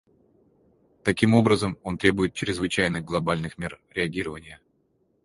Таким образом, он требует чрезвычайных глобальных мер реагирования.